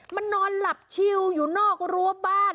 มันนอนหลับชิวอยู่นอกรั้วบ้าน